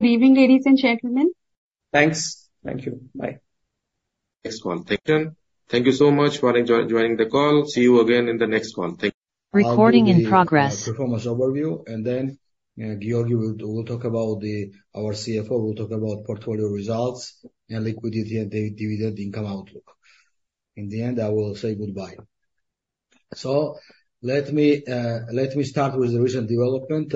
I'll do the performance overview, and then Giorgi will do, will talk about the... Our CFO will talk about portfolio results and liquidity, and the dividend income outlook. In the end, I will say goodbye. So let me let me start with the recent development.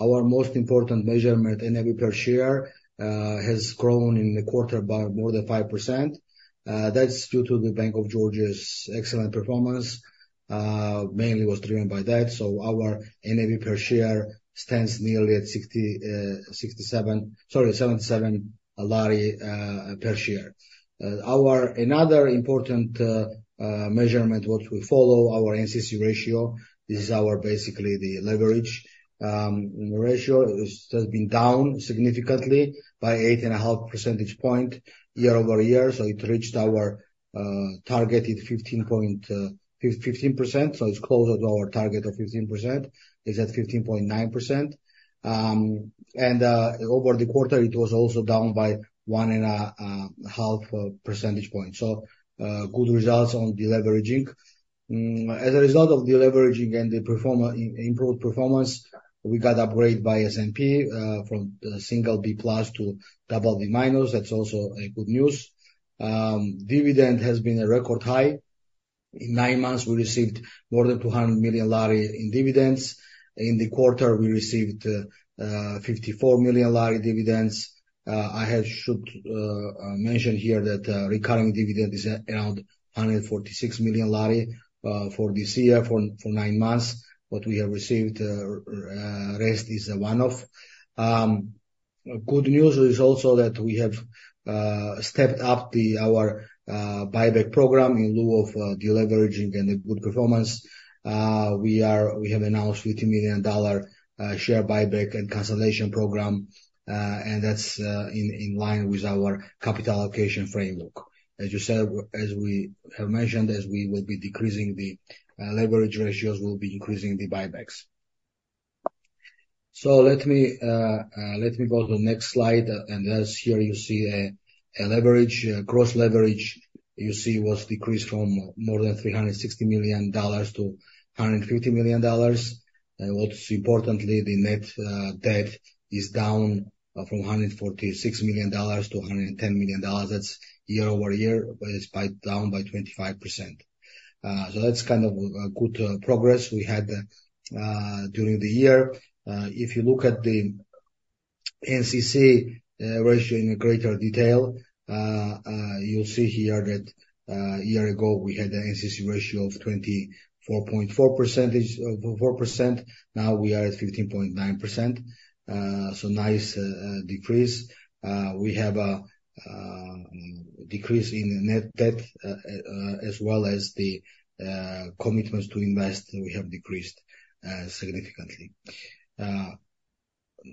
Our most important measurement, NAV per share, has grown in the quarter by more than 5%. That's due to the Bank of Georgia's excellent performance, mainly was driven by that. So our NAV per share stands nearly at 67, sorry, 77 GEL per share. Our another important measurement, what we follow, our NCC ratio, this is our basically the leverage. Ratio has been down significantly by 8.5 percentage points year-over-year, so it reached our targeted 15%, so it's closer to our target of 15%. It's at 15.9%. Over the quarter, it was also down by 1.5 percentage points. So, good results on deleveraging. As a result of deleveraging and the improved performance, we got upgraded by S&P from single B plus to double B minus. That's also a good news. Dividend has been a record high. In nine months, we received more than GEL 200 million in dividends. In the quarter, we received GEL 54 million in dividends. I should mention here that recurring dividend is around GEL 146 million for this year, for nine months. What we have received, the rest is one-off. Good news is also that we have stepped up our buyback program in lieu of deleveraging and a good performance. We have announced $50 million share buyback and consolidation program, and that's in line with our capital allocation framework. As you said, as we have mentioned, as we will be decreasing the leverage ratios, we'll be increasing the buybacks. So let me go to the next slide, and as you see here a leverage, gross leverage, you see, was decreased from more than $360 million to $150 million. And what's importantly, the net debt is down from $146 million to $110 million. That's year-over-year, but it's down by 25%. So that's kind of good progress we had during the year. If you look at the NCC ratio in greater detail, you'll see here that a year ago, we had a NCC ratio of 24.4%. Now we are at 15.9%. So nice decrease. We have a decrease in net debt as well as the commitments to invest; we have decreased significantly.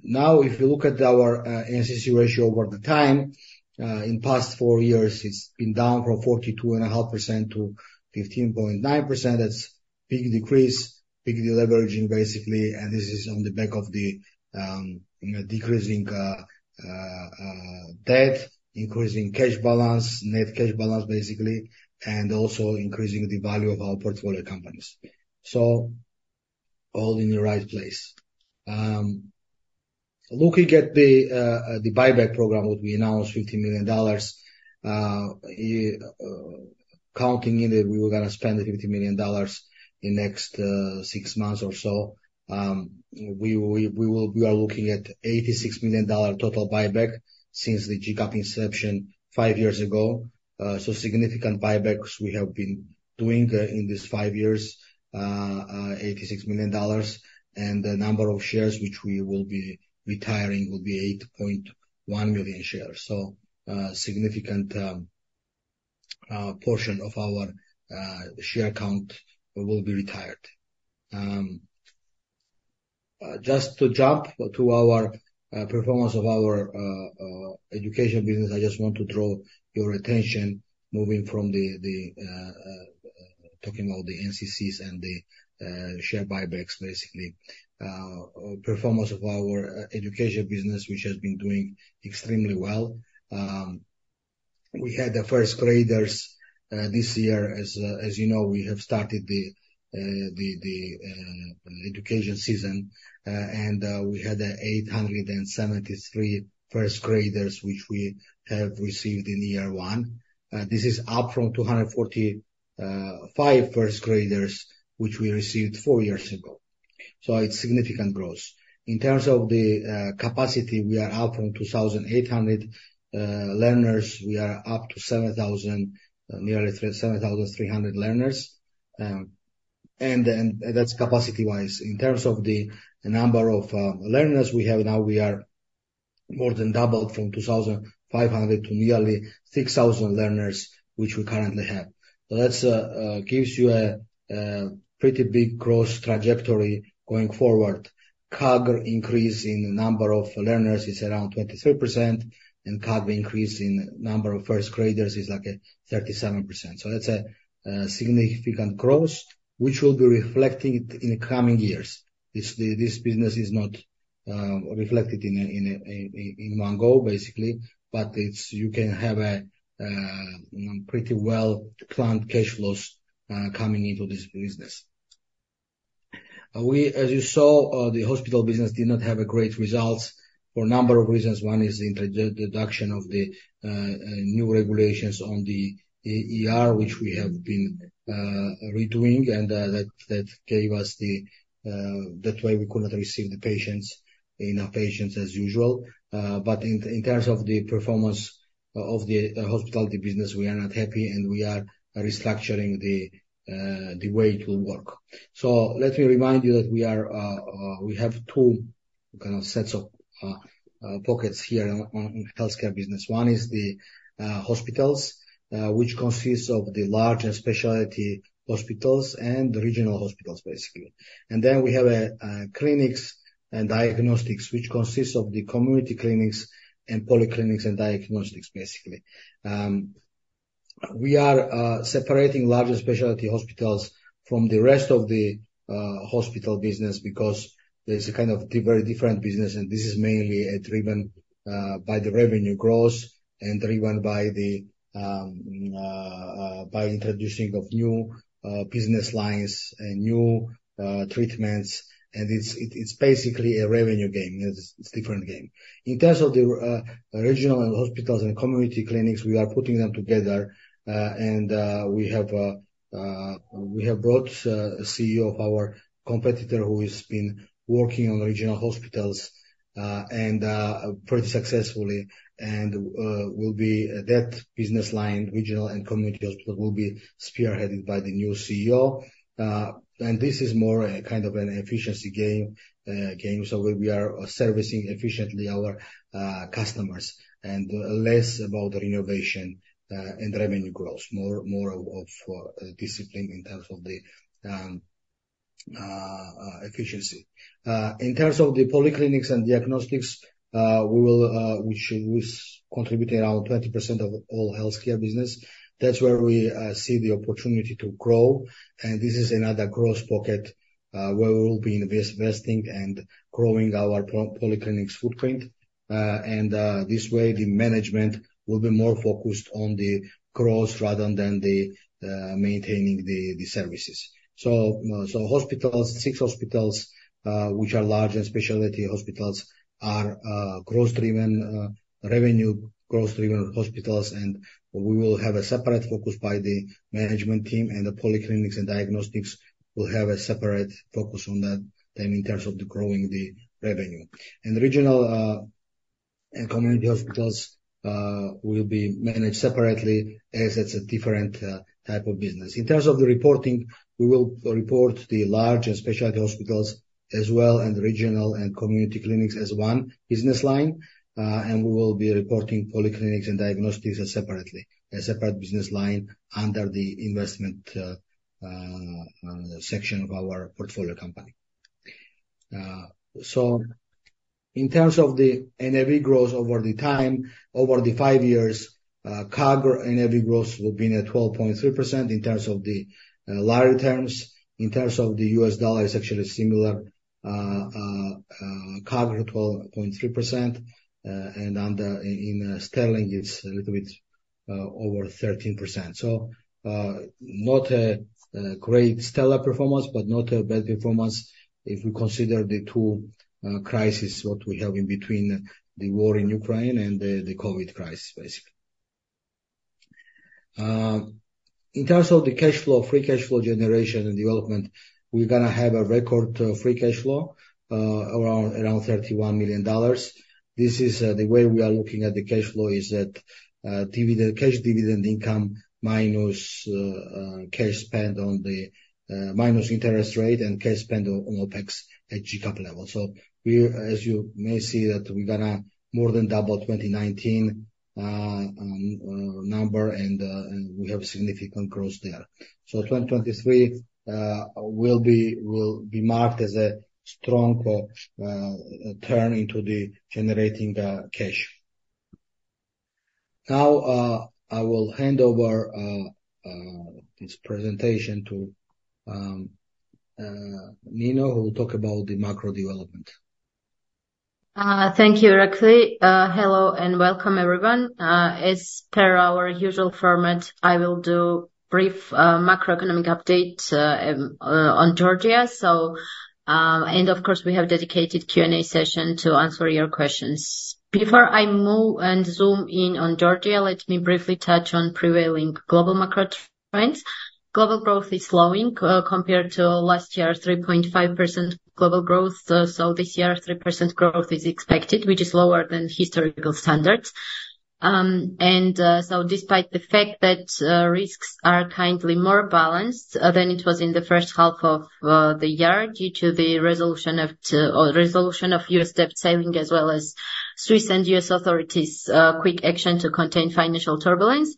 Now, if you look at our NCC ratio over the time, in past four years, it's been down from 42.5% to 15.9%. That's big decrease, big deleveraging, basically, and this is on the back of the decreasing debt, increasing cash balance, net cash balance, basically, and also increasing the value of our portfolio companies. So all in the right place. Looking at the buyback program, which we announced $50 million, counting in it, we were gonna spend the $50 million in next six months or so. We are looking at $86 million total buyback since the GCAP inception five years ago. So significant buybacks we have been doing in these five years, $86 million, and the number of shares which we will be retiring will be 8.1 million shares. So, significant portion of our share count will be retired. Just to jump to our performance of our education business, I just want to draw your attention, moving from the talking about the NCCs and the share buybacks, basically. Performance of our education business, which has been doing extremely well. We had the first graders this year. As you know, we have started the education season, and we had 873 first graders, which we have received in year one. This is up from 245 first graders, which we received four years ago. So it's significant growth. In terms of the capacity, we are up from 2,800 learners. We are up to nearly 7,300 learners. And then that's capacity-wise. In terms of the number of learners we have now, we are more than doubled from 2,500 to nearly 6,000 learners, which we currently have. So that gives you a pretty big growth trajectory going forward. CAGR increase in the number of learners is around 23%, and CAGR increase in number of first graders is like a 37%. So that's a significant growth, which will be reflected in the coming years. This business is not reflected in one go, basically. But it's you can have a pretty well planned cash flows coming into this business. We, as you saw, the hospital business did not have a great results for a number of reasons. One is the intro- the deduction of the new regulations on the ER, which we have been redoing, and that gave us the that way we could not receive the patients in our facilities as usual. But in terms of the performance of the hospital business, we are not happy, and we are restructuring the way it will work. So let me remind you that we are, we have two kind of sets of pockets here in healthcare business. One is the hospitals, which consists of the larger specialty hospitals and the regional hospitals, basically. And then we have clinics and diagnostics, which consists of the community clinics and polyclinics and diagnostics, basically. We are separating larger specialty hospitals from the rest of the hospital business because there's a kind of very different business, and this is mainly driven by the revenue growth and driven by the by introducing of new business lines and new treatments. It's basically a revenue game. It's a different game. In terms of the regional hospitals and community clinics, we are putting them together, and we have brought a CEO of our competitor who has been working on regional hospitals and pretty successfully. That business line, regional and community hospital, will be spearheaded by the new CEO. This is more a kind of an efficiency game. So we are servicing efficiently our customers and less about the innovation and revenue growth. More of discipline in terms of the efficiency. In terms of the polyclinics and diagnostics, which contribute around 20% of all healthcare business. That's where we see the opportunity to grow, and this is another growth pocket, where we will be investing and growing our polyclinics footprint. And this way, the management will be more focused on the growth rather than maintaining the services. So hospitals, six hospitals, which are large and specialty hospitals, are growth-driven, revenue growth-driven hospitals, and we will have a separate focus by the management team. And the polyclinics and diagnostics will have a separate focus on that in terms of the growing the revenue. And the regional and community hospitals will be managed separately as it's a different type of business. In terms of the reporting, we will report the large and specialty hospitals as well, and the regional and community clinics as one business line. And we will be reporting polyclinics and diagnostics as separately, a separate business line under the investment, section of our portfolio company. So in terms of the NAV growth over the time, over the five years, CAGR NAV growth will be at 12.3% in terms of the, Lari terms. In terms of the US dollar, it's actually similar, CAGR 12.3%, and in sterling, it's a little bit, over 13%. So, not a great stellar performance, but not a bad performance if we consider the two crises that we have in between the war in Ukraine and the, the COVID crisis, basically. In terms of the cash flow, free cash flow generation and development, we're gonna have a record free cash flow around $31 million. This is the way we are looking at the cash flow, is that the cash dividend income minus cash spent on the minus interest rate and cash spend on OpEx at GCAP level. So we are, as you may see, that we're gonna more than double 2019 number, and we have significant growth there. So 2023 will be marked as a strong turn into the generating cash. Now, I will hand over this presentation to Nino, who will talk about the macro development. Thank you, Irakli. Hello and welcome, everyone. As per our usual format, I will do brief macroeconomic update on Georgia. So, and of course, we have dedicated Q&A session to answer your questions. Before I move and zoom in on Georgia, let me briefly touch on prevailing global macro trends. Global growth is slowing compared to last year, 3.5% global growth. So this year, 3% growth is expected, which is lower than historical standards. And so despite the fact that risks are kind of more balanced than it was in the first half of the year, due to the resolution of the U.S. debt ceiling, as well as Swiss and U.S. authorities' quick action to contain financial turbulence.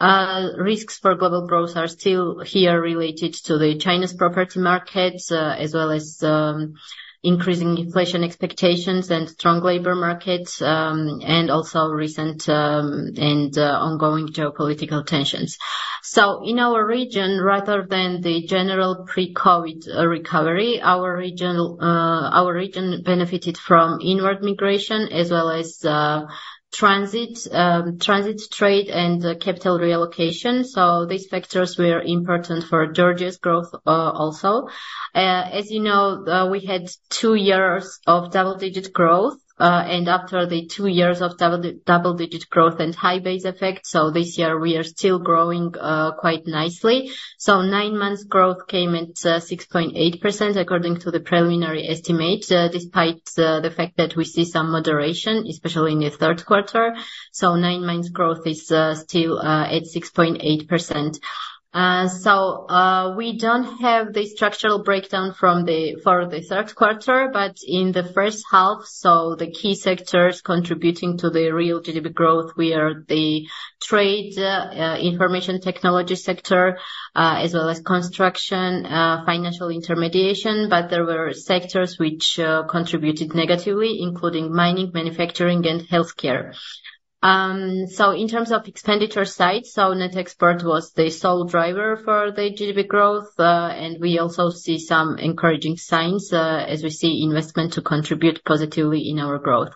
Risks for global growth are still here related to China's property markets, as well as increasing inflation expectations and strong labor markets, and also recent and ongoing geopolitical tensions. So in our region, rather than the general pre-COVID recovery, our region benefited from inward migration as well as transit trade and capital reallocation. So these factors were important for Georgia's growth, also. As you know, we had two years of double-digit growth, and after the two years of double-digit growth and high base effect, so this year we are still growing quite nicely. So nine months growth came at 6.8%, according to the preliminary estimate, despite the fact that we see some moderation, especially in the third quarter. Nine months growth is still at 6.8%. We don't have the structural breakdown for the third quarter, but in the first half, the key sectors contributing to the real GDP growth were the trade, information technology sector, as well as construction, financial intermediation. But there were sectors which contributed negatively including mining, manufacturing, and healthcare. So in terms of expenditure side, net export was the sole driver for the GDP growth, and we also see some encouraging signs, as we see investment to contribute positively in our growth.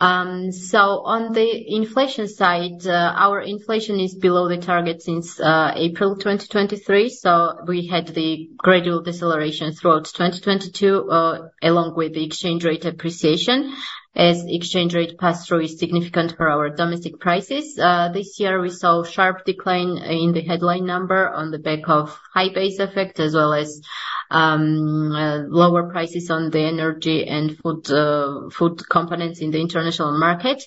So on the inflation side, our inflation is below the target since April 2023. So we had the gradual deceleration throughout 2022, along with the exchange rate appreciation, as exchange rate pass-through is significant for our domestic prices. This year, we saw sharp decline in the headline number on the back of high base effect, as well as, lower prices on the energy and food, food components in the international market.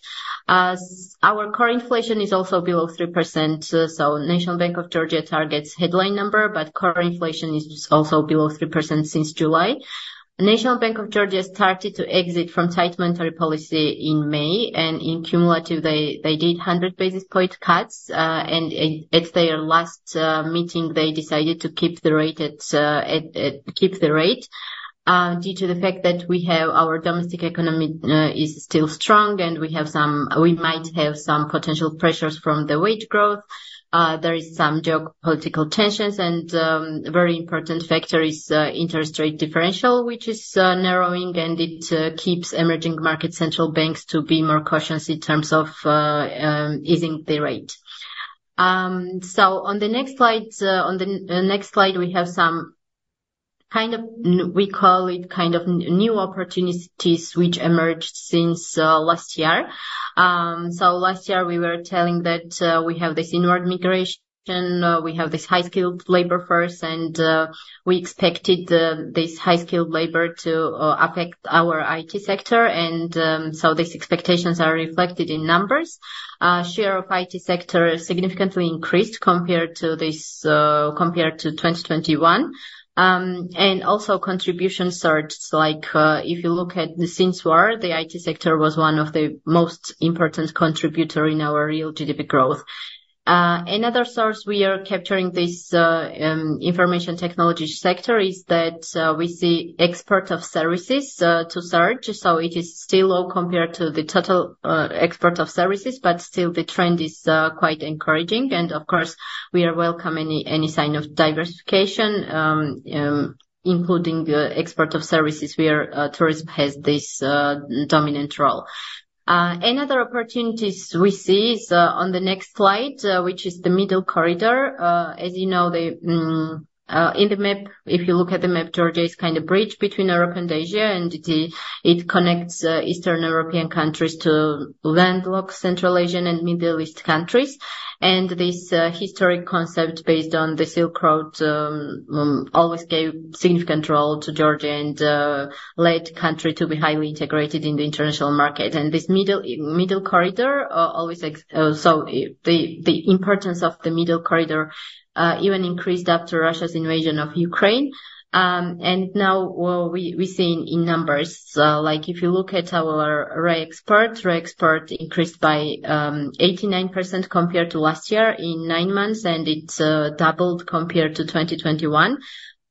Our core inflation is also below 3%, so National Bank of Georgia targets headline number, but core inflation is also below 3% since July. National Bank of Georgia started to exit from tight monetary policy in May, and in cumulative, they, they did 100 basis point cuts. And at their last meeting, they decided to keep the rate due to the fact that our domestic economy is still strong and we have some... We might have some potential pressures from the wage growth. There is some geopolitical tensions, and very important factor is interest rate differential, which is narrowing, and it keeps emerging market central banks to be more cautious in terms of easing the rate. So on the next slide, we have some kind of, we call it kind of new opportunities which emerged since last year. So last year we were telling that we have this inward migration, we have this high-skilled labor force, and we expected this high-skilled labor to affect our IT sector, and so these expectations are reflected in numbers. Share of IT sector significantly increased compared to this, compared to 2021. And also contribution surged. Like, if you look at since the war, the IT sector was one of the most important contributor in our real GDP growth. Another source we are capturing this information technology sector is that we see export of services to surge, so it is still low compared to the total export of services, but still the trend is quite encouraging. And of course, we are welcome any sign of diversification, including export of services where tourism has this dominant role. Another opportunities we see is on the next slide, which is the Middle Corridor. As you know, in the map, if you look at the map, Georgia is kind of bridge between Europe and Asia, and it connects Eastern European countries to landlocked Central Asian and Middle East countries. And this historic concept, based on the Silk Road, always gave significant role to Georgia and led country to be highly integrated in the international market. And this Middle Corridor, the importance of the Middle Corridor even increased after Russia's invasion of Ukraine. And now what we see in numbers, like if you look at our re-export, re-export increased by 89% compared to last year in nine months, and it doubled compared to 2021.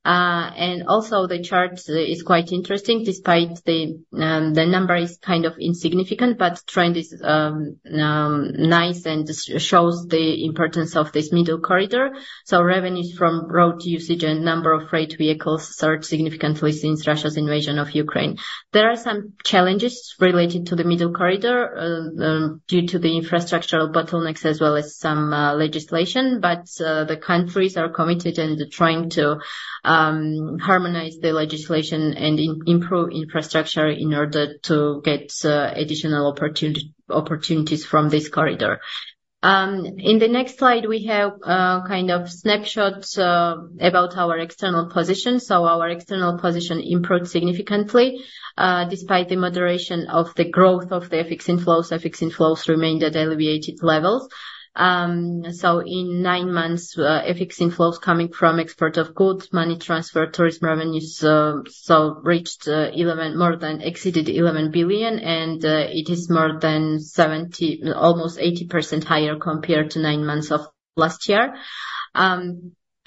And also the chart is quite interesting, despite the number is kind of insignificant, but trend is nice and shows the importance of this Middle Corridor. So revenues from road usage and number of freight vehicles surged significantly since Russia's invasion of Ukraine. There are some challenges related to the Middle Corridor due to the infrastructural bottlenecks as well as some legislation, but the countries are committed and trying to harmonize the legislation and improve infrastructure in order to get additional opportunities from this corridor. In the next slide, we have kind of snapshots about our external position. So our external position improved significantly despite the moderation of the growth of the FX inflows. FX inflows remained at elevated levels. So in nine months, FX inflows coming from export of goods, money transfer, tourism revenues reached more than GEL 11 billion, and it is more than 70%, almost 80% higher compared to nine months of last year.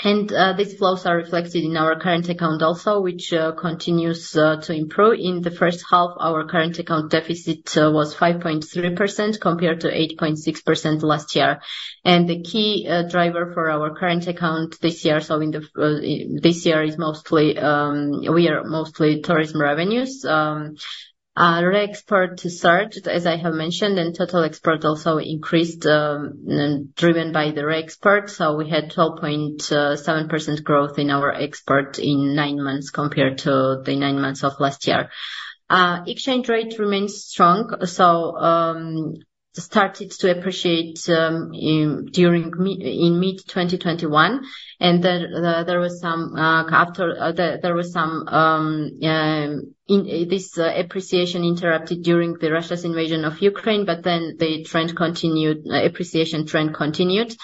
And these flows are reflected in our current account also, which continues to improve. In the first half, our current account deficit was 5.3%, compared to 8.6% last year. The key driver for our current account this year is mostly tourism revenues. Re-export surged, as I have mentioned, and total export also increased, driven by the re-export. We had 12.7% growth in our export in nine months compared to the nine months of last year. Exchange rate remains strong, started to appreciate in mid-2021, and then there was some, after, there was some, in this, appreciation interrupted during the Russia's invasion of Ukraine, but then the trend continued, appreciation trend continued.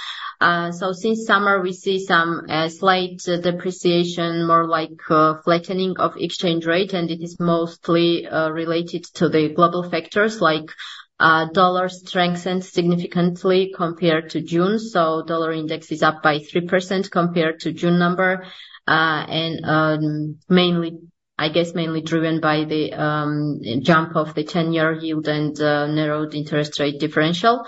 Since summer, we see some slight depreciation, more like flattening of exchange rate, and it is mostly related to the global factors like the US dollar strengthened significantly compared to June. Dollar index is up by 3% compared to June number. And mainly, I guess, mainly driven by the jump of the 10-year yield and narrowed interest rate differential.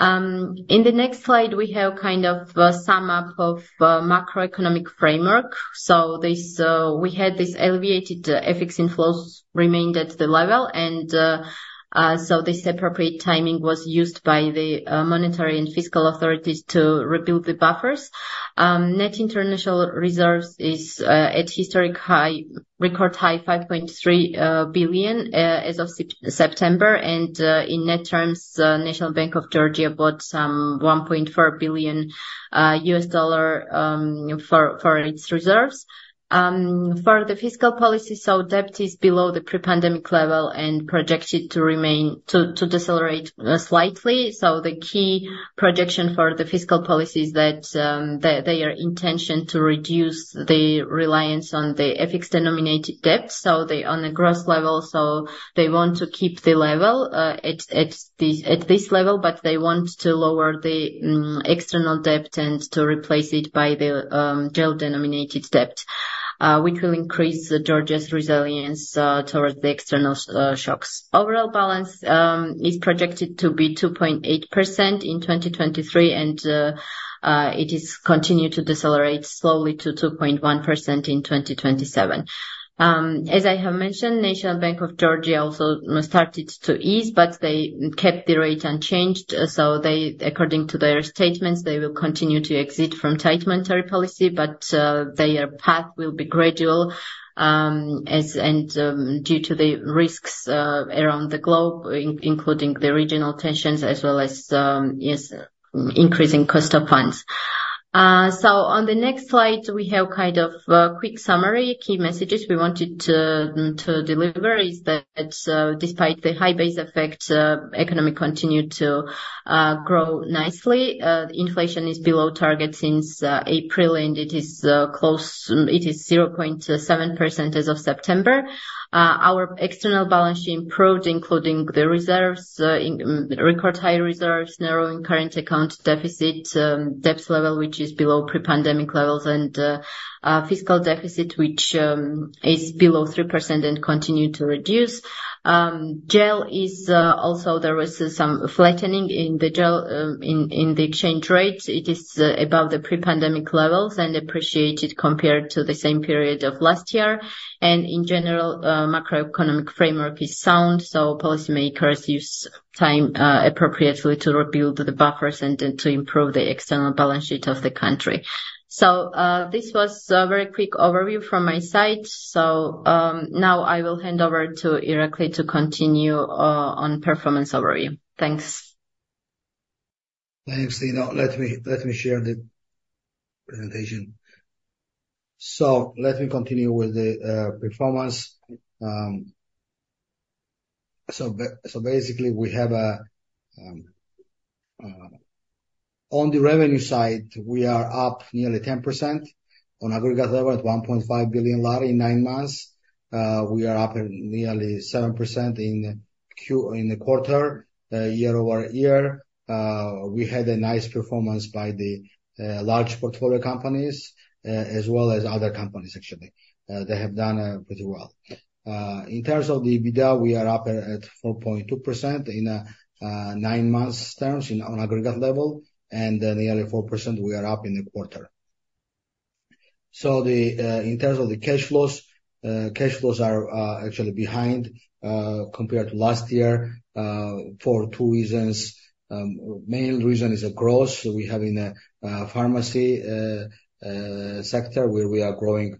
In the next slide, we have kind of a sum-up of macroeconomic framework. So this we had this elevated FX inflows remained at the level and so this appropriate timing was used by the monetary and fiscal authorities to rebuild the buffers. Net international reserves is at historic high, record high, $5.3 billion as of September. And in net terms, National Bank of Georgia bought some $1.4 billion for its reserves. For the fiscal policy, so debt is below the pre-pandemic level and projected to remain to decelerate slightly. So the key projection for the fiscal policy is that, they, they are intention to reduce the reliance on the FX-denominated debt, so they on a gross level, so they want to keep the level, at, at this, at this level, but they want to lower the, external debt and to replace it by the, GEL-denominated debt, which will increase Georgia's resilience, towards the external shocks. Overall balance, is projected to be 2.8% in 2023, and, it is continued to decelerate slowly to 2.1% in 2027. As I have mentioned, National Bank of Georgia also started to ease, but they kept the rate unchanged, so according to their statements, they will continue to exit from tight monetary policy, but their path will be gradual, and due to the risks around the globe, including the regional tensions, as well as yes, increasing cost of funds. So on the next slide, we have kind of a quick summary. Key messages we wanted to deliver is that, despite the high base effect, economy continued to grow nicely. Inflation is below target since April, and it is close. It is 0.7% as of September. Our external balance sheet improved, including the reserves in record high reserves, narrowing current account deficit, debt level, which is below pre-pandemic levels, and fiscal deficit, which is below 3% and continue to reduce. GEL is also. There was some flattening in the GEL in the exchange rate. It is above the pre-pandemic levels and appreciated compared to the same period of last year. In general, macroeconomic framework is sound, so policymakers use time appropriately to rebuild the buffers and to improve the external balance sheet of the country. This was a very quick overview from my side. Now I will hand over to Irakli to continue on performance overview. Thanks. Thanks, Nino. Let me, let me share the presentation. So let me continue with the, performance. So basically, we have a, on the revenue side, we are up nearly 10% on aggregate level, at GEL 1.5 billion in nine months. We are up at nearly 7% in the quarter, year-over-year. We had a nice performance by the, large portfolio companies, as well as other companies, actually. They have done, pretty well. In terms of the EBITDA, we are up at 4.2% in a, nine months terms in on aggregate level, and nearly 4% we are up in the quarter. So, in terms of the cash flows, cash flows are actually behind compared to last year for two reasons. Main reason is a growth we have in pharmacy sector, where we are growing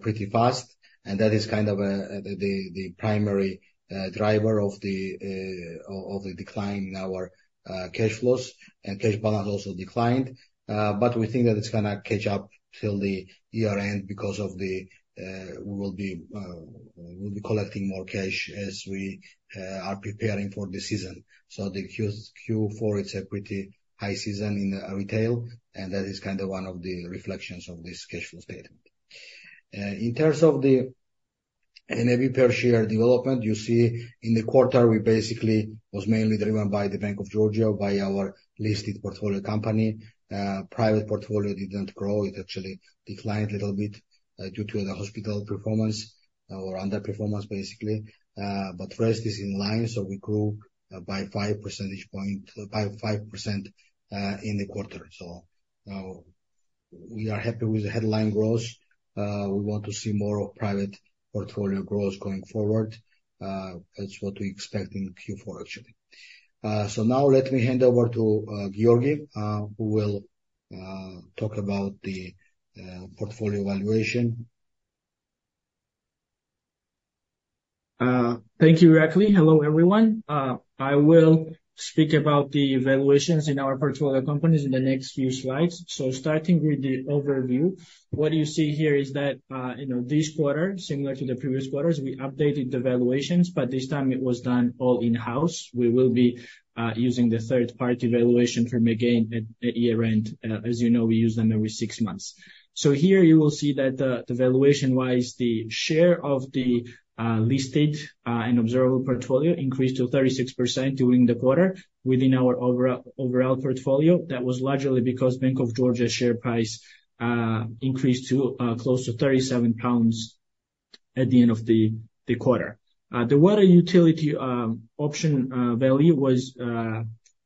pretty fast, and that is kind of the primary driver of the decline in our cash flows and cash balance also declined. But we think that it's gonna catch up till the year end because we will be collecting more cash as we are preparing for the season. So the Q4, it's a pretty high season in retail, and that is kind of one of the reflections of this cash flow statement. In terms of the NAV per share development, you see in the quarter, we basically was mainly driven by the Bank of Georgia, by our listed portfolio company. Private portfolio didn't grow, it actually declined a little bit, due to the hospital performance or underperformance, basically. But rest is in line, so we grew by five percentage point... by 5%, in the quarter. So, we are happy with the headline growth. We want to see more of private portfolio growth going forward. That's what we expect in Q4, actually. So now let me hand over to Giorgi, who will talk about the portfolio valuation. Thank you, Irakli. Hello, everyone. I will speak about the valuations in our portfolio companies in the next few slides. Starting with the overview, what you see here is that, you know, this quarter, similar to the previous quarters, we updated the valuations, but this time it was done all in-house. We will be using the third-party valuation firm again at year-end. As you know, we use them every six months. Here you will see that, the valuation-wise, the share of the listed and observable portfolio increased to 36% during the quarter within our overall portfolio. That was largely because Bank of Georgia's share price increased to close to 37 pounds at the end of the quarter. The water utility option value was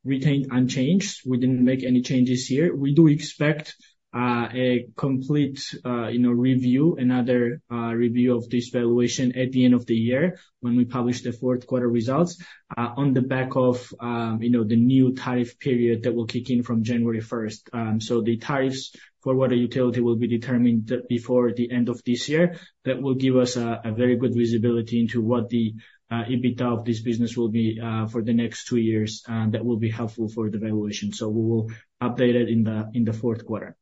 retained unchanged. We didn't make any changes here. We do expect a complete, you know, review, another review of this valuation at the end of the year when we publish the fourth quarter results, on the back of, you know, the new tariff period that will kick in from January first. So the tariffs for water utility will be determined before the end of this year. That will give us a, a very good visibility into what the EBITDA of this business will be for the next two years, and that will be helpful for the valuation. So we will update it in the, in the fourth quarter.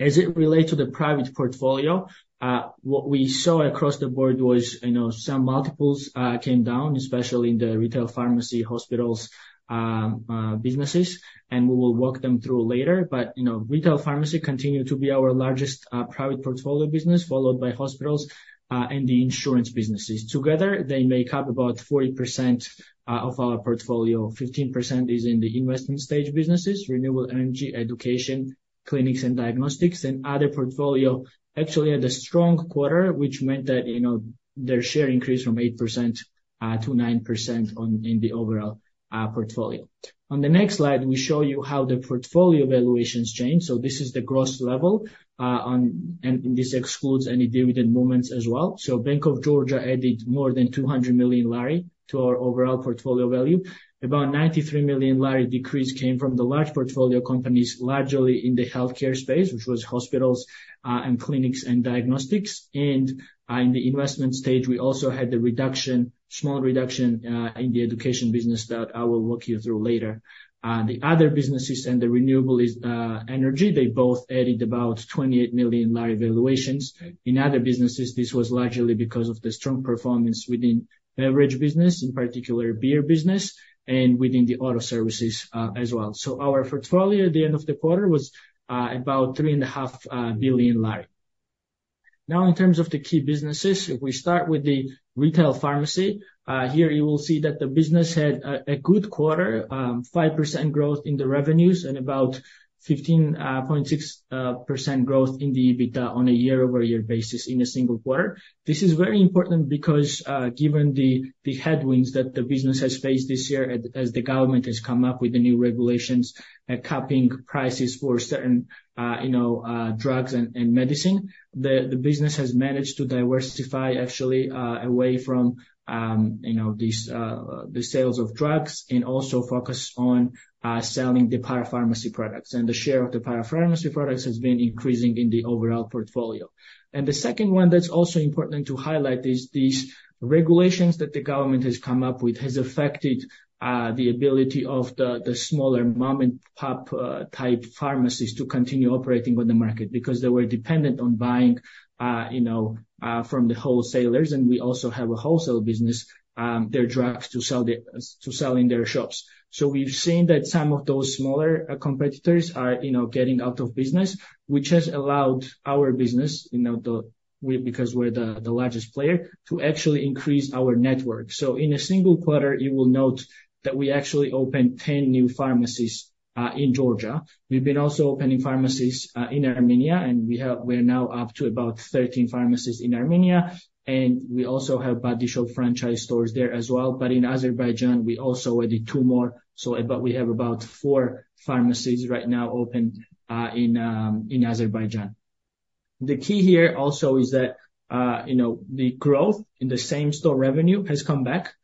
As it relate to the private portfolio, what we saw across the board was, you know, some multiples came down, especially in the retail pharmacy, hospitals, businesses, and we will walk them through later. But, you know, retail pharmacy continued to be our largest private portfolio business, followed by hospitals, and the insurance businesses. Together, they make up about 40% of our portfolio. 15% is in the investment stage businesses, renewable energy, education, clinics and diagnostics, and other portfolio actually had a strong quarter, which meant that, you know, their share increased from 8%-9% in the overall portfolio. On the next slide, we show you how the portfolio valuations change. So this is the gross level, and this excludes any dividend movements as well. Bank of Georgia added more than 200 million GEL to our overall portfolio value. About 93 million GEL decrease came from the large portfolio companies, largely in the healthcare space, which was hospitals, and clinics and diagnostics. In the investment stage, we also had the reduction, small reduction, in the education business that I will walk you through later. The other businesses and the renewable is energy. They both added about 28 million GEL valuations. In other businesses, this was largely because of the strong performance within beverage business, in particular beer business, and within the auto services, as well. Our portfolio at the end of the quarter was about 3.5 billion GEL. Now, in terms of the key businesses, if we start with the retail pharmacy, here you will see that the business had a good quarter, 5% growth in the revenues and about 15.6% growth in the EBITDA on a year-over-year basis in a single quarter. This is very important because, given the headwinds that the business has faced this year as the government has come up with the new regulations, capping prices for certain you know drugs and medicine, the business has managed to diversify, actually, away from you know these the sales of drugs and also focus on selling the parapharmacy products. And the share of the parapharmacy products has been increasing in the overall portfolio. The second one that's also important to highlight is these regulations that the government has come up with has affected the ability of the smaller mom-and-pop type pharmacies to continue operating on the market, because they were dependent on buying you know from the wholesalers, and we also have a wholesale business their drugs to sell in their shops. So we've seen that some of those smaller competitors are you know getting out of business, which has allowed our business you know because we're the largest player to actually increase our network. So in a single quarter, you will note that we actually opened 10 new pharmacies in Georgia. We've been also opening pharmacies in Armenia, and we are now up to about 13 pharmacies in Armenia, and we also have Body Shop franchise stores there as well. But in Azerbaijan, we also added 2 more, so about, we have about 4 pharmacies right now open in Azerbaijan. The key here also is that, you know, the growth in the same-store revenue has come back.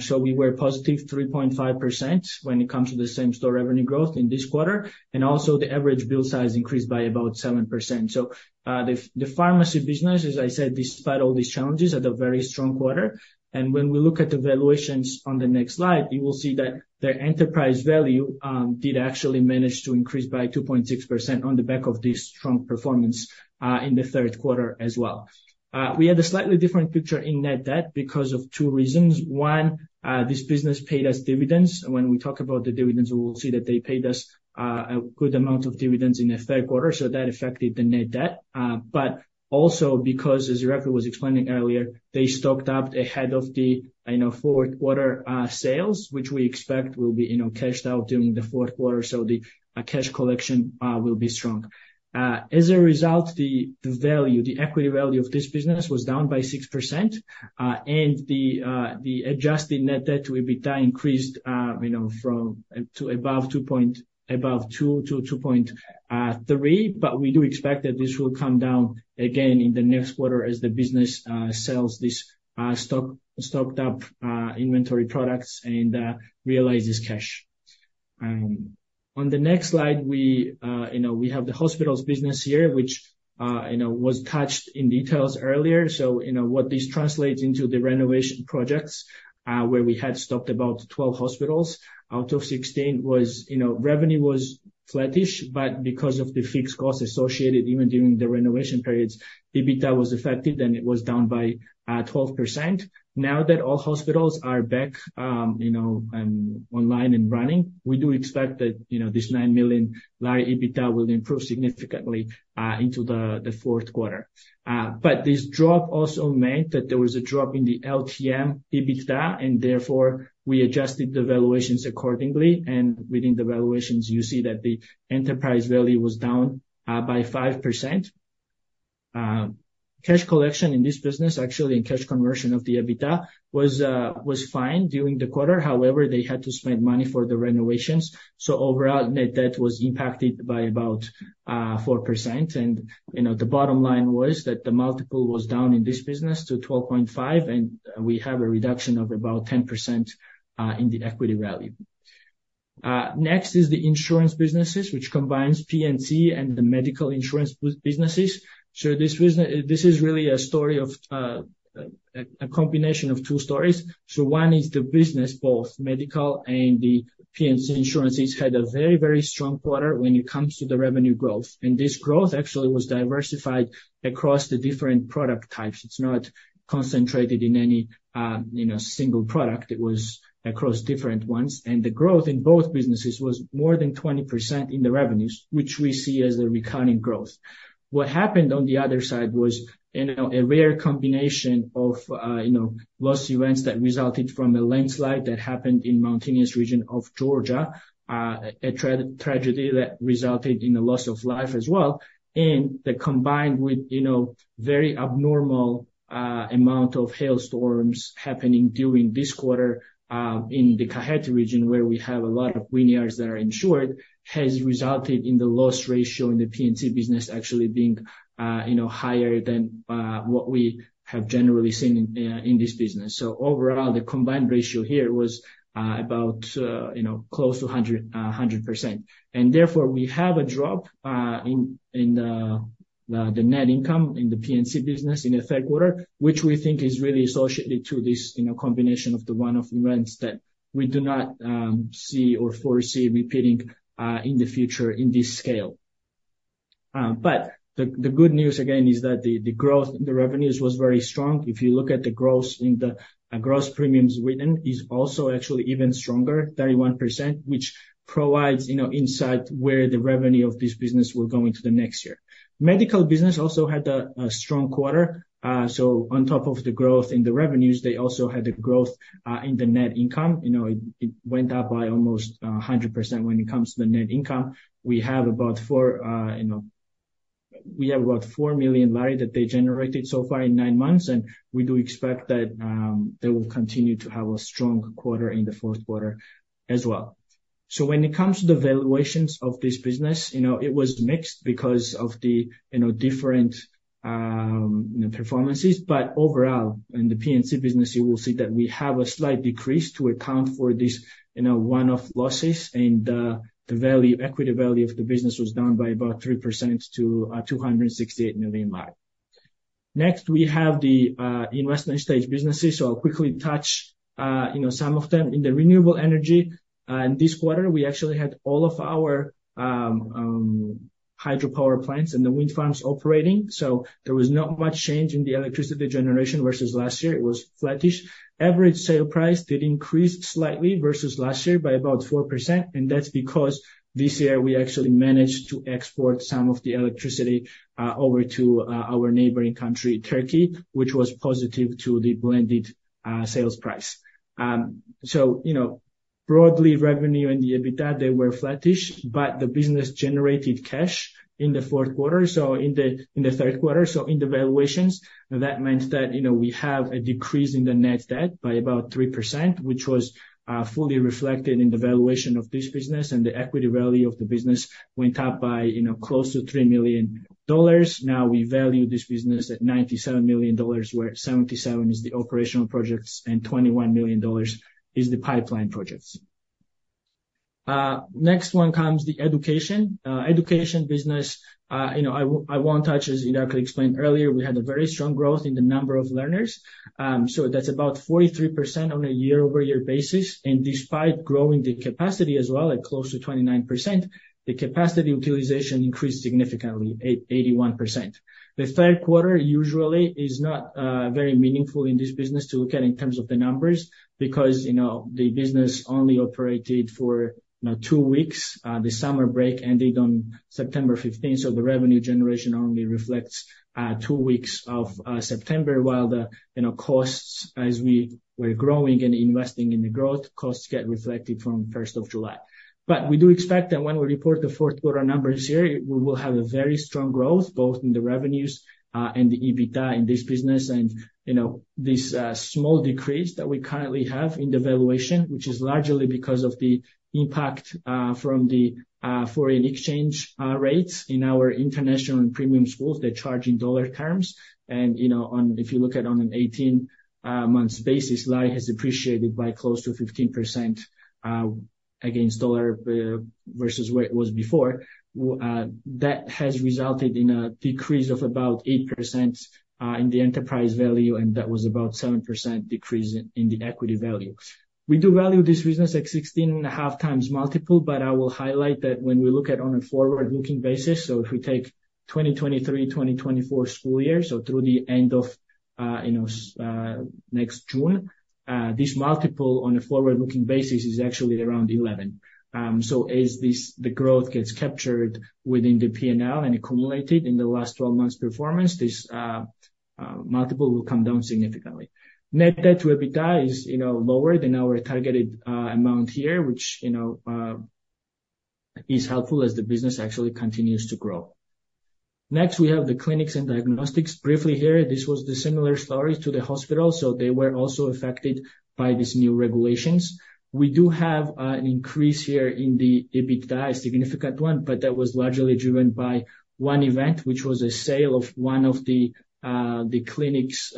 So we were positive 3.5% when it comes to the same-store revenue growth in this quarter, and also the average bill size increased by about 7%. So, the pharmacy business, as I said, despite all these challenges, had a very strong quarter. When we look at the valuations on the next slide, you will see that their enterprise value did actually manage to increase by 2.6% on the back of this strong performance in the third quarter as well. We had a slightly different picture in net debt because of two reasons. One, this business paid us dividends. When we talk about the dividends, we will see that they paid us a good amount of dividends in the third quarter, so that affected the net debt. But also because, as Irakli was explaining earlier, they stocked up ahead of the, you know, fourth quarter sales, which we expect will be, you know, cashed out during the fourth quarter, so the cash collection will be strong. As a result, the value, the equity value of this business was down by 6%, and the adjusted net debt will be increased, you know, from above 2%-2.3%. But we do expect that this will come down again in the next quarter as the business sells this stock stocked up inventory products and realizes cash. On the next slide, we, you know, we have the hospitals business here, which, you know, was touched in details earlier. So you know, what this translates into the renovation projects, where we had stocked about 12 hospitals out of 16 hospitals, was, you know, revenue was flattish, but because of the fixed costs associated, even during the renovation periods, EBITDA was affected, and it was down by 12%. Now that all hospitals are back, you know, online and running, we do expect that, you know, this GEL 9 million EBITDA will improve significantly, into the fourth quarter. But this drop also meant that there was a drop in the LTM EBITDA, and therefore we adjusted the valuations accordingly. And within the valuations, you see that the enterprise value was down, by 5%. Cash collection in this business, actually, in cash conversion of the EBITDA, was fine during the quarter. However, they had to spend money for the renovations, so overall, net debt was impacted by about, 4%. And, you know, the bottom line was that the multiple was down in this business to 12.5%, and we have a reduction of about 10%, in the equity value. Next is the insurance businesses, which combines P&C and the medical insurance businesses. So this is really a story of a combination of two stories. So one is the business, both medical and the P&C insurances had a very, very strong quarter when it comes to the revenue growth, and this growth actually was diversified across the different product types. It's not concentrated in any, you know, single product. It was across different ones, and the growth in both businesses was more than 20% in the revenues, which we see as a recurring growth. What happened on the other side was, you know, a rare combination of, you know, loss events that resulted from a landslide that happened in mountainous region of Georgia. A tragedy that resulted in a loss of life as well, and that combined with, you know, very abnormal amount of hailstorms happening during this quarter in the Kakheti region, where we have a lot of vineyards that are insured, has resulted in the loss ratio in the P&C business actually being, you know, higher than what we have generally seen in this business. So overall, the combined ratio here was, you know, close to 100%, 100%. And therefore, we have a drop in the net income in the P&C business in the third quarter, which we think is really associated to this, you know, combination of the one-off events that we do not see or foresee repeating in the future in this scale. But the good news again is that the growth, the revenues was very strong. If you look at the growth in the gross premiums written, is also actually even stronger, 31%, which provides, you know, insight where the revenue of this business will go into the next year. Medical business also had a strong quarter. So on top of the growth in the revenues, they also had a growth in the net income. You know, it went up by almost a hundred percent when it comes to the net income. We have about 4 million GEL that they generated so far in nine months, and we do expect that they will continue to have a strong quarter in the fourth quarter as well. So when it comes to the valuations of this business, you know, it was mixed because of the, you know, different performances. But overall, in the P&C business, you will see that we have a slight decrease to account for this, you know, one-off losses. And the value, equity value of the business was down by about 3% to GEL 268 million. Next, we have the investment stage businesses. So I'll quickly touch you know some of them. In the renewable energy in this quarter, we actually had all of our hydropower plants and the wind farms operating, so there was not much change in the electricity generation versus last year. It was flattish. Average sale price did increase slightly versus last year by about 4%, and that's because this year we actually managed to export some of the electricity over to our neighboring country, Turkey, which was positive to the blended sales price. So you know, broadly, revenue and the EBITDA, they were flattish, but the business generated cash in the fourth quarter, so in the third quarter. So in the valuations, that meant that, you know, we have a decrease in the net debt by about 3%, which was fully reflected in the valuation of this business, and the equity value of the business went up by, you know, close to $3 million. Now, we value this business at $97 million, where $77 million is the operational projects, and $21 million is the pipeline projects. Next one comes the education. Education business, you know, I won't touch, as Irakli explained earlier, we had a very strong growth in the number of learners. So that's about 43% on a year-over-year basis, and despite growing the capacity as well, at close to 29%, the capacity utilization increased significantly, eighty-one percent. The third quarter usually is not, you know, very meaningful in this business to look at in terms of the numbers, because, you know, the business only operated for, you know, two weeks. The summer break ended on September fifteenth, so the revenue generation only reflects, two weeks of September, while the, you know, costs as we were growing and investing in the growth, costs get reflected from first of July. But we do expect that when we report the fourth quarter numbers here, we will have a very strong growth, both in the revenues and the EBITDA in this business. And, you know, this small decrease that we currently have in the valuation, which is largely because of the impact from the foreign exchange rates in our international and premium schools. They charge in dollar terms, and, you know, if you look at on an 18 months basis, Lari has appreciated by close to 15% against dollar versus where it was before. That has resulted in a decrease of about 8% in the enterprise value, and that was about 7% decrease in the equity value. We do value this business at 16.5x multiple, but I will highlight that when we look at on a forward-looking basis, so if we take 2023/2024 school year, so through the end of, you know, next June, this multiple on a forward-looking basis is actually around 11x. So as this, the growth gets captured within the P&L and accumulated in the last twelve months' performance, this multiple will come down significantly. Net debt to EBITDA is, you know, lower than our targeted amount here, which, you know, is helpful as the business actually continues to grow. Next, we have the clinics and diagnostics. Briefly here, this was the similar story to the hospital, so they were also affected by these new regulations. We do have an increase here in the EBITDA, a significant one, but that was largely driven by one event, which was a sale of one of the clinics'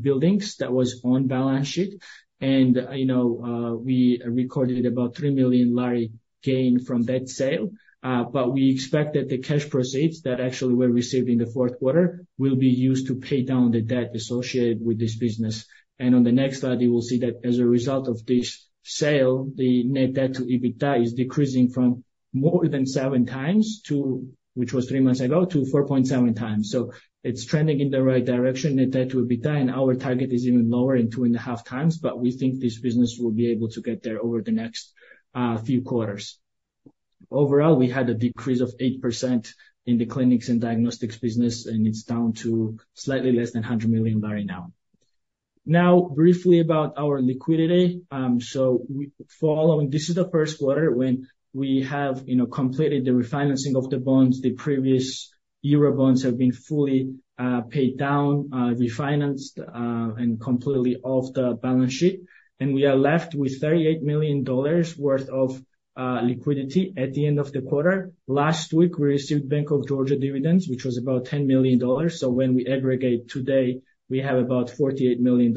buildings that was on balance sheet. You know, we recorded about GEL 3 million gain from that sale, but we expect that the cash proceeds that actually were received in the fourth quarter will be used to pay down the debt associated with this business. On the next slide, you will see that as a result of this sale, the net debt to EBITDA is decreasing from more than seven times, which was three months ago, to 4.7x. So it's trending in the right direction, net debt to EBITDA, and our target is even lower in 2.5x, but we think this business will be able to get there over the next few quarters. Overall, we had a decrease of 8% in the clinics and diagnostics business, and it's down to slightly less than 100 million GEL now. Now, briefly about our liquidity. So we following—this is the first quarter when we have, you know, completed the refinancing of the bonds. The previous euro bonds have been fully paid down, refinanced, and completely off the balance sheet, and we are left with $38 million worth of liquidity at the end of the quarter. Last week, we received Bank of Georgia dividends, which was about $10 million. So when we aggregate today, we have about $48 million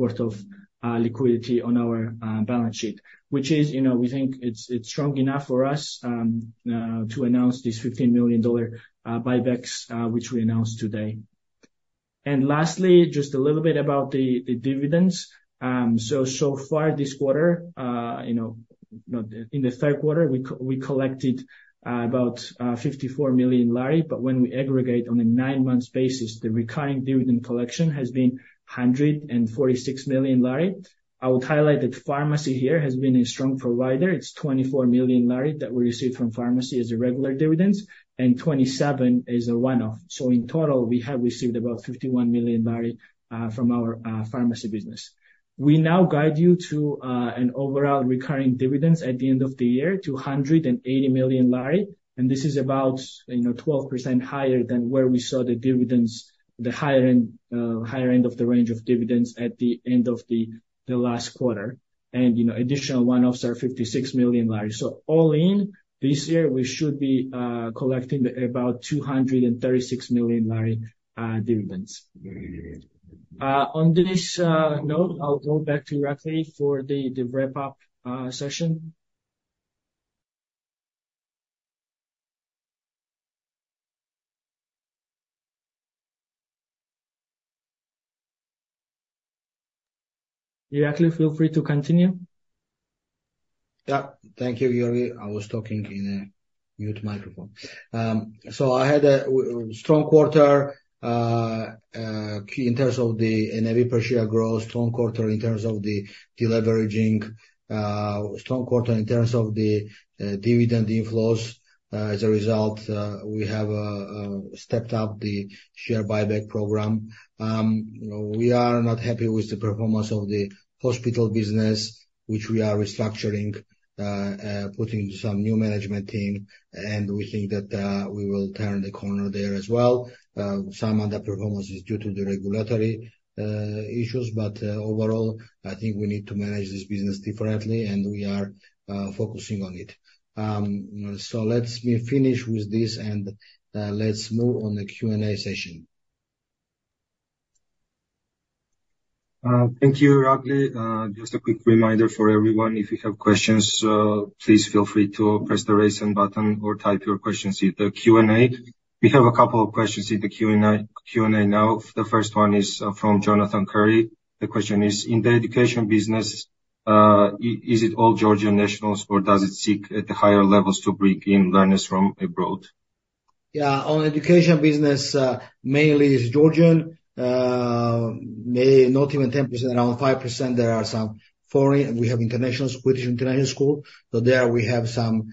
worth of liquidity on our balance sheet, which is, you know, we think it's strong enough for us to announce this $15 million buybacks, which we announced today. And lastly, just a little bit about the dividends. So far this quarter, you know, in the third quarter, we collected about GEL 54 million, but when we aggregate on a nine-month basis, the recurring dividend collection has been GEL 146 million. I would highlight that pharmacy here has been a strong provider. It's GEL 24 million that we received from pharmacy as regular dividends, and GEL 27 million is a one-off. So in total, we have received about GEL 51 million from our pharmacy business. We now guide you to an overall recurring dividends at the end of the year, GEL 280 million, and this is about, you know, 12% higher than where we saw the dividends the higher end of the range of dividends at the end of the last quarter. And, you know, additional one-offs are GEL 56 million. So all in, this year, we should be collecting about GEL 236 million lari dividends. On this note, I'll go back to Irakli for the wrap-up session. Irakli, feel free to continue. Yeah. Thank you, Giorgi. I was talking in a mute microphone. So I had a strong quarter, key in terms of the NAV per share growth. Strong quarter in terms of the deleveraging, strong quarter in terms of the dividend inflows. As a result, we have stepped up the share buyback program. We are not happy with the performance of the hospital business, which we are restructuring, putting some new management team, and we think that we will turn the corner there as well. Some underperformance is due to the regulatory issues, but overall, I think we need to manage this business differently, and we are focusing on it. So let me finish with this, and let's move on the Q&A session. ... Thank you, Irakli. Just a quick reminder for everyone. If you have questions, please feel free to press the Raise Hand button or type your questions in the Q&A. We have a couple of questions in the Q&A now. The first one is from Jonathan Curry. The question is: In the education business, is it all Georgian nationals, or does it seek at the higher levels to bring in learners from abroad? Yeah. On education business, mainly is Georgian. May not even 10%, around 5% there are some foreign. We have international, British international school. So there we have some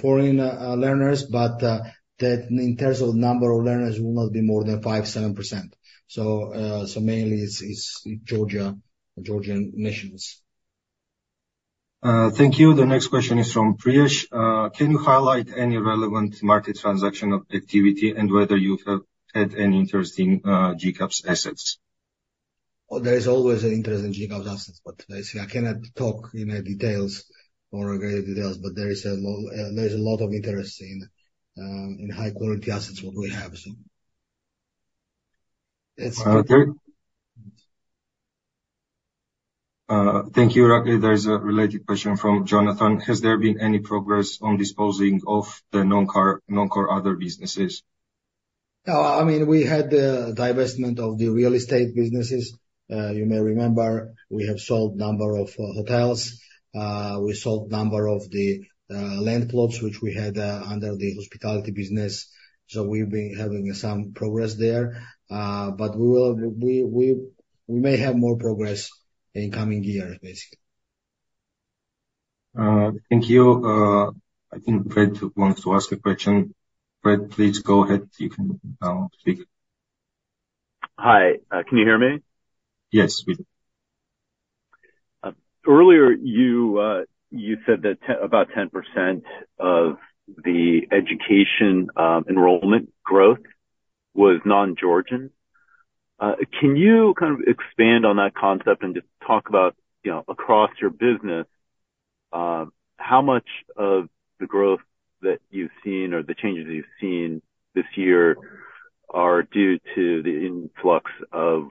foreign learners, but that in terms of number of learners will not be more than 5%-7%. So mainly it's Georgia, Georgian nationals. Thank you. The next question is from Priyesh. Can you highlight any relevant market transaction activity and whether you have had any interest in GCAP's assets? There is always an interest in GCAP's assets, but basically, I cannot talk in the details or great details, but there is a lot of interest in high quality assets what we have. So that's- Okay. Thank you, Irakli. There is a related question from Jonathan. Has there been any progress on disposing of the non-core other businesses? I mean, we had the divestment of the real estate businesses. You may remember, we have sold number of hotels. We sold number of the land plots, which we had under the hospital business. So we've been having some progress there. But we may have more progress in coming years, basically. Thank you. I think Brad wants to ask a question. Brad, please go ahead. You can speak. Hi, can you hear me? Yes, we do. Earlier, you said that about 10% of the education enrollment growth was non-Georgian. Can you kind of expand on that concept and just talk about, you know, across your business, how much of the growth that you've seen or the changes you've seen this year are due to the influx of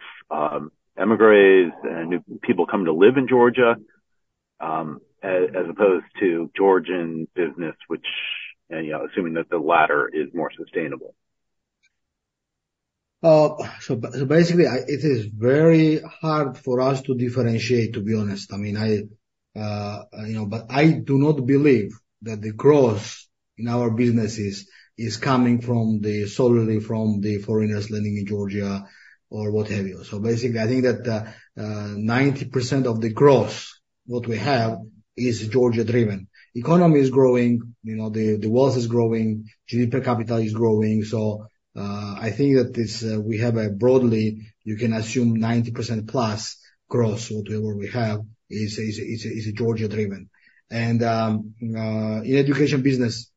emigres and new people coming to live in Georgia, as opposed to Georgian business, and, you know, assuming that the latter is more sustainable? So basically, it is very hard for us to differentiate, to be honest. I mean, you know, but I do not believe that the growth in our businesses is coming from solely from the foreigners living in Georgia or what have you. So basically, I think that 90% of the growth what we have is Georgia-driven. Economy is growing, you know, the wealth is growing, GDP per capita is growing. So I think that this, we have a broadly, you can assume 90% plus growth, whatever we have, is Georgia-driven. And in education business,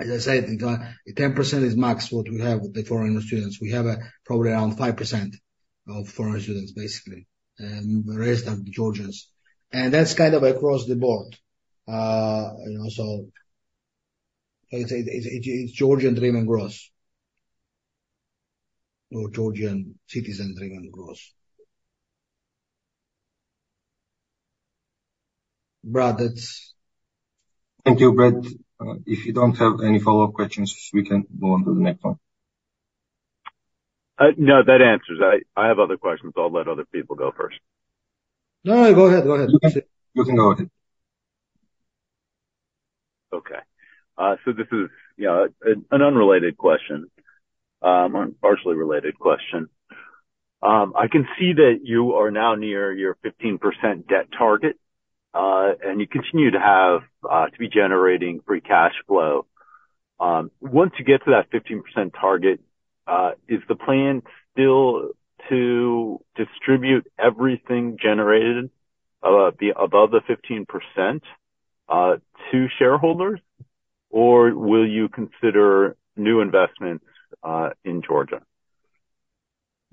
as I said, 10% is max what we have with the foreign students. We have probably around 5% of foreign students, basically, and the rest are Georgians. And that's kind of across the board. You know, so it's Georgian-driven growth. Or Georgian citizen-driven growth. Brad, that's- Thank you, Brad. If you don't have any follow-up questions, we can move on to the next one. No, that answers it. I have other questions. I'll let other people go first. No, go ahead. Go ahead. You can go ahead. Okay. So this is, you know, an unrelated question, or partially related question. I can see that you are now near your 15% debt target, and you continue to have to be generating free cash flow. Once you get to that 15% target, is the plan still to distribute everything generated, be above the 15%, to shareholders, or will you consider new investment, in Georgia?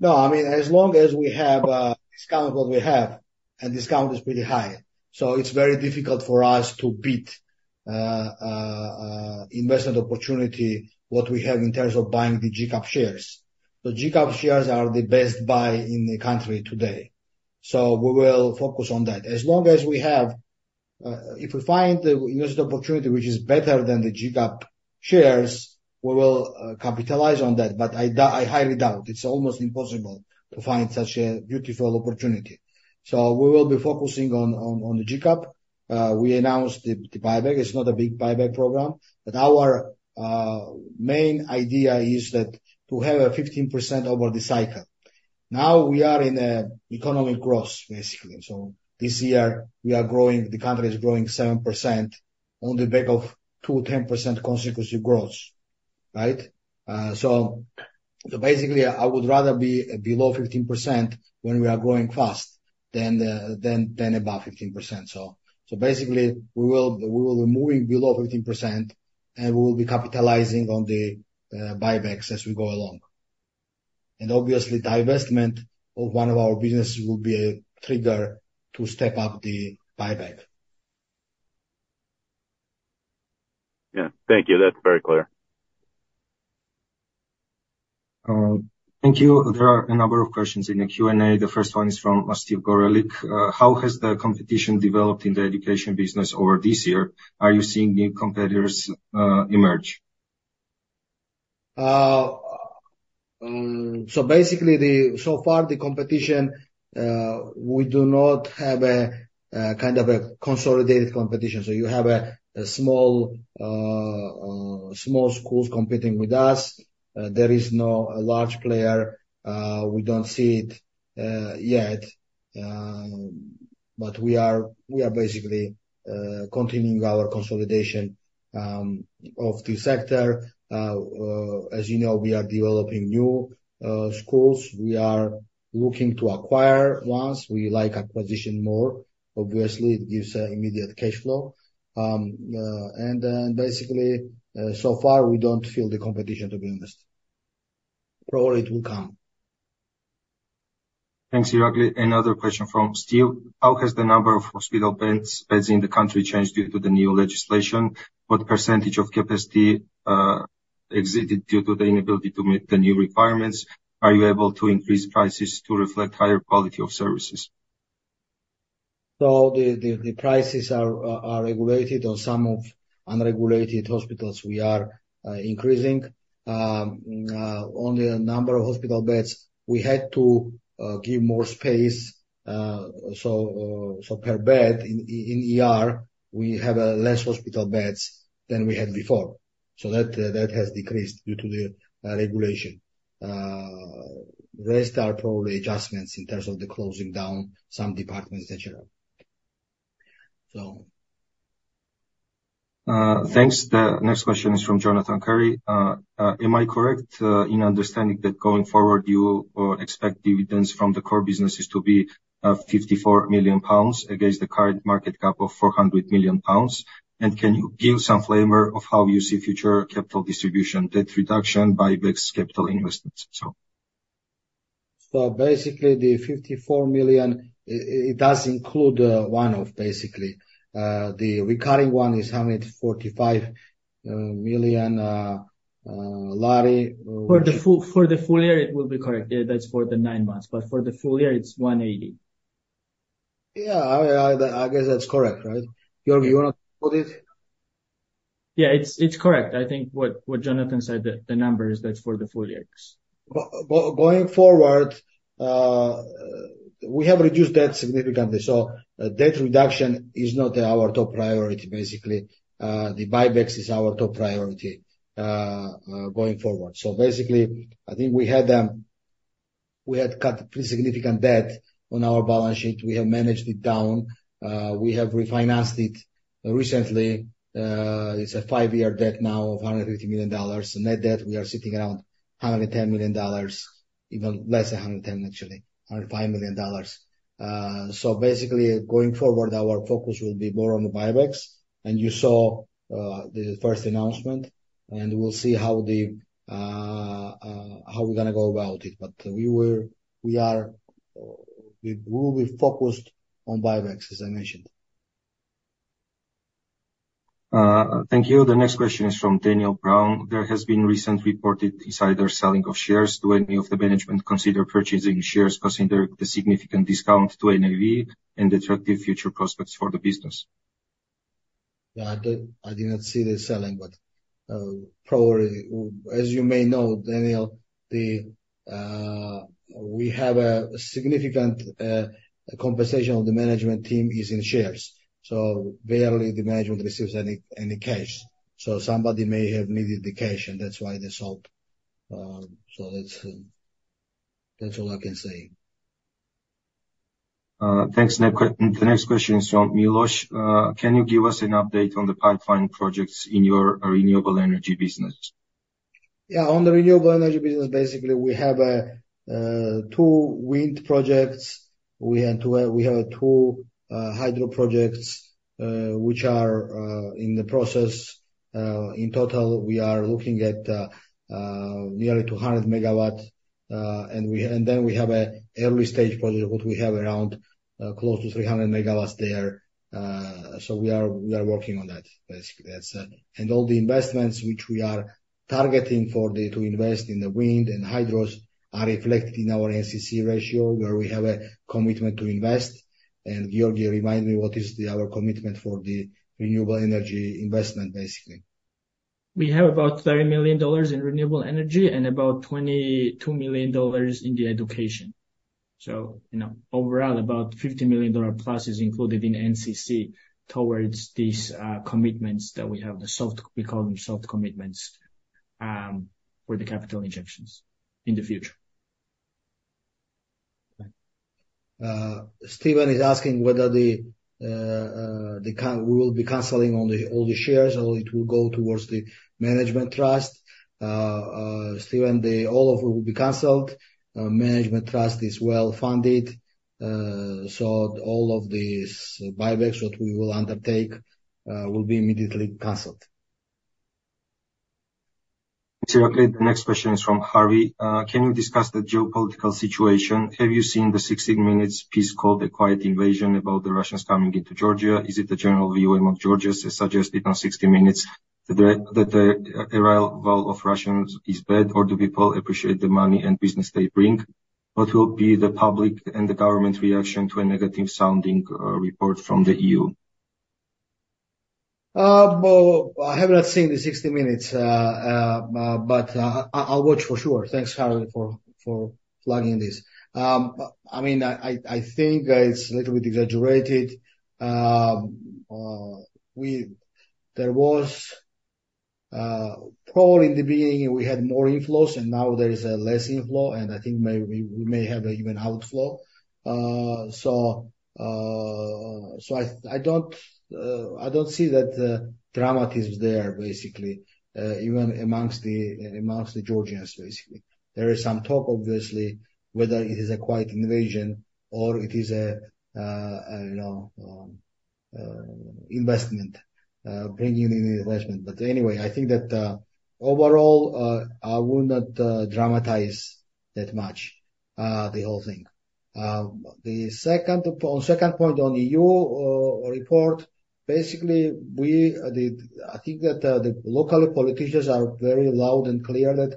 No, I mean, as long as we have a discount, what we have, and discount is pretty high, so it's very difficult for us to beat investment opportunity, what we have in terms of buying the GCAP shares. The GCAP shares are the best buy in the country today, so we will focus on that. As long as we have... If we find the investment opportunity, which is better than the GCAP shares, we will capitalize on that, but I highly doubt it's almost impossible to find such a beautiful opportunity. So we will be focusing on the GCAP. We announced the buyback. It's not a big buyback program, but our main idea is that to have a 15% over the cycle. Now, we are in an economic growth, basically. So this year we are growing, the country is growing 7% on the back of two 10% consecutive growth, right? So basically, I would rather be below 15% when we are growing fast than above 15%. So basically, we will be moving below 15%, and we will be capitalizing on the buybacks as we go along. And obviously, divestment of one of our businesses will be a trigger to step up the buyback.... Yeah. Thank you. That's very clear. Thank you. There are a number of questions in the Q&A. The first one is from Steve Gorelick. How has the competition developed in the education business over this year? Are you seeing new competitors emerge? So far, the competition, we do not have a kind of a consolidated competition. So you have small schools competing with us. There is no large player. We don't see it yet. But we are basically continuing our consolidation of the sector. As you know, we are developing new schools. We are looking to acquire ones. We like acquisition more. Obviously, it gives immediate cash flow. And then basically, so far, we don't feel the competition, to be honest. Probably it will come. Thanks, Irakli. Another question from Steve: How has the number of hospital beds, beds in the country changed due to the new legislation? What percentage of capacity exited due to the inability to meet the new requirements? Are you able to increase prices to reflect higher quality of services? So the prices are regulated. On some of unregulated hospitals, we are increasing. On the number of hospital beds, we had to give more space. So per bed in ER, we have a less hospital beds than we had before. So that has decreased due to the regulation. The rest are probably adjustments in terms of the closing down some departments, et cetera. So... Thanks. The next question is from Jonathan Curry. Am I correct in understanding that going forward, you expect dividends from the core businesses to be 54 million pounds against the current market cap of 400 million pounds? And can you give some flavor of how you see future capital distribution, debt reduction by big capital investments so? So basically, the GEL 54 million does include one of basically the recurring one is GEL 145 million Lari- For the full year, it will be correct. Yeah, that's for the nine months, but for the full year, it's 180. Yeah, I guess that's correct, right? Giorgi, you wanna put it? Yeah, it's correct. I think what Jonathan said, the numbers, that's for the full years. But going forward, we have reduced debt significantly, so debt reduction is not our top priority, basically. The buybacks is our top priority, going forward. So basically, I think we had cut pretty significant debt on our balance sheet. We have managed it down. We have refinanced it recently. It's a five-year debt now of $150 million. Net debt, we are sitting around $110 million, even less than $110 million, actually, $105 million. So basically, going forward, our focus will be more on the buybacks, and you saw the first announcement, and we'll see how we're gonna go about it. But we are, we will be focused on buybacks, as I mentioned. Thank you. The next question is from Daniel Brown. There has been recent reported insider selling of shares. Do any of the management consider purchasing shares, considering the significant discount to NAV and attractive future prospects for the business? Yeah, I did. I did not see the selling, but probably, as you may know, Daniel, the we have a significant compensation of the management team is in shares, so barely the management receives any any cash. So somebody may have needed the cash, and that's why they sold. So that's that's all I can say. Thanks. The next question is from Milosh. Can you give us an update on the pipeline projects in your renewable energy business? Yeah, on the renewable energy business, basically, we have two wind projects. We have two hydro projects, which are in the process. In total, we are looking at nearly 200 megawatts, and then we have an early-stage project, what we have around close to 300 megawatts there. So we are working on that, basically, and all the investments which we are targeting to invest in the wind and hydros are reflected in our NCC ratio, where we have a commitment to invest. And Georgi, remind me, what is our commitment for the renewable energy investment, basically? We have about $30 million in renewable energy and about $22 million in the education. So, you know, overall, about $50 million plus is included in NCC towards these commitments that we have, the soft, we call them soft commitments, for the capital injections in the future. Steven is asking whether we will be canceling all the shares, or it will go towards the management trust. Steven, all of it will be canceled. Management trust is well-funded, so all of these buybacks that we will undertake will be immediately canceled.... Okay, the next question is from Harvey. Can you discuss the geopolitical situation? Have you seen the 60 Minutes piece called The Quiet Invasion, about the Russians coming into Georgia? Is it the general view among Georgians, as suggested on 60 Minutes, that the, that the arrival of Russians is bad, or do people appreciate the money and business they bring? What will be the public and the government reaction to a negative-sounding report from the EU? Well, I have not seen the 60 Minutes, but I'll watch for sure. Thanks, Harvey, for flagging this. I mean, I think it's a little bit exaggerated. There was probably in the beginning, we had more inflows, and now there is less inflow, and I think we may have even outflow. So I don't see that dramatism there, basically, even amongst the Georgians, basically. There is some talk, obviously, whether it is a quiet invasion or it is an investment, bringing in investment. But anyway, I think that overall, I would not dramatize that much the whole thing. The second point on EU report, basically, we the... I think that, the local politicians are very loud and clear that,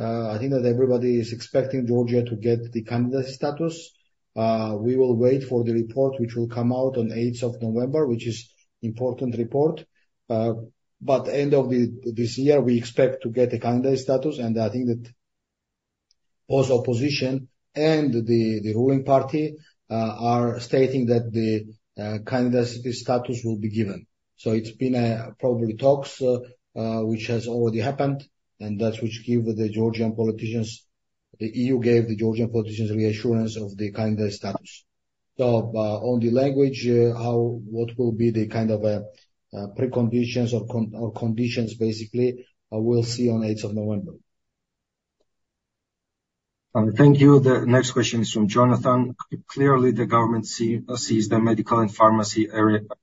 I think that everybody is expecting Georgia to get the candidate status. We will wait for the report, which will come out on 8th of November, which is important report. But end of the, this year, we expect to get a candidate status, and I think that both opposition and the, the ruling party, are stating that the, candidate status will be given. So it's been, probably talks, which has already happened, and that which give the Georgian politicians, the EU gave the Georgian politicians reassurance of the candidate status. So, on the language, how, what will be the kind of, preconditions or con, or conditions, basically, we'll see on November 8th. Thank you. The next question is from Jonathan. Clearly, the government sees the medical and pharmacy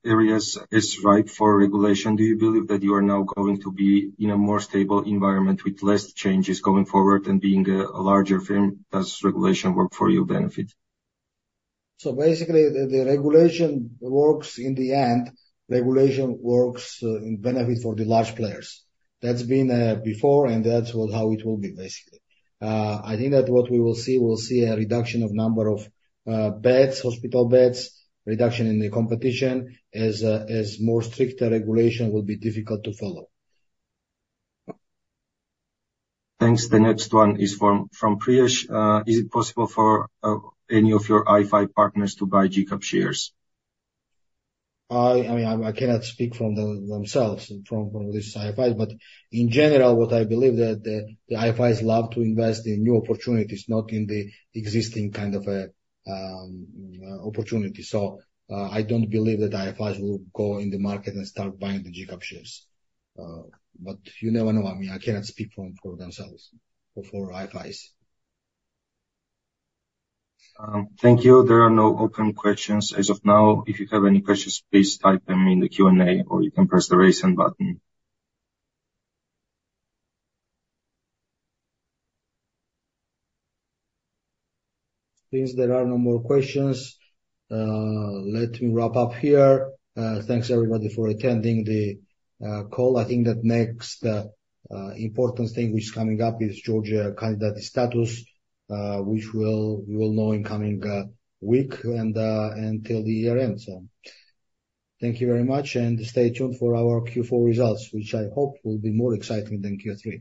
areas as ripe for regulation. Do you believe that you are now going to be in a more stable environment with less changes going forward and being a larger firm? Does regulation work for your benefit? So basically, the regulation works in the end, regulation works in benefit for the large players. That's been before, and that's how it will be, basically. I think that what we will see, we'll see a reduction of number of beds, hospital beds, reduction in the competition, as more stricter regulation will be difficult to follow. Thanks. The next one is from Priyesh. Is it possible for any of your IFI partners to buy GCAP shares? I mean, I cannot speak from themselves, from this IFI, but in general, what I believe that the IFIs love to invest in new opportunities, not in the existing kind of opportunity. So, I don't believe that IFIs will go in the market and start buying the GCAP shares. But you never know. I mean, I cannot speak for them, for themselves or for IFIs. Thank you. There are no open questions as of now. If you have any questions, please type them in the Q&A, or you can press the Raise Hand button. Since there are no more questions, let me wrap up here. Thanks, everybody, for attending the call. I think that next important thing which is coming up is Georgia candidate status, which we'll know in coming week and until the year ends. So thank you very much, and stay tuned for our Q4 results, which I hope will be more exciting than Q3.